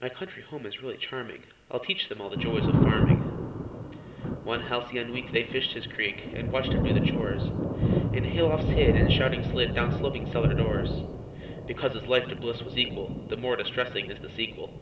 My country home is really charming: I'll teach them all the joys of farming." One halcyon week they fished his creek, And watched him do the chores, In haylofts hid, and, shouting, slid Down sloping cellar doors: Because this life to bliss was equal The more distressing is the sequel.